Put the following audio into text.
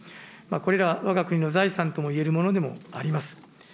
これらわが国の財産といえるものでもあります。